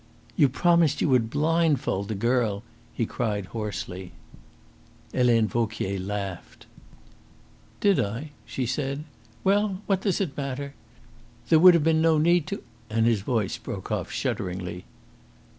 "You promised you would blindfold the girl," he cried hoarsely. Helene Vauquier laughed. "Did I?" she said. "Well, what does it matter?" "There would have been no need to " And his voice broke off shudderingly.